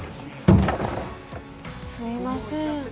すいません。